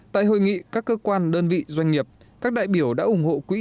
tại hội nghị các cơ quan đơn vị doanh nghiệp các đại biểu đã ủng hộ quỹ